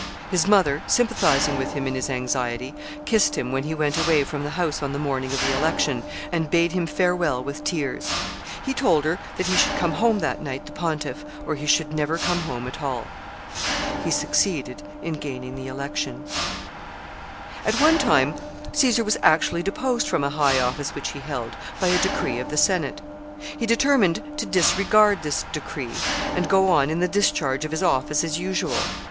His mother, sympathizing with him in his anxiety, kissed him when he went away from the house on the morning of the election, and bade hem farewell with tears. He told her that he should come home that night the pontiff, or he should never come home at all. He succeeded in gaining the election. [Sidenote: He is deposed.] [Sidenote: Caesar's forbearance.] [Sidenote: He is restored to office.] At one time Caesar was actually deposed from a high office which he held, by a decree of the Senate. He determined to disregard this decree, and go on in the discharge of his office as usual.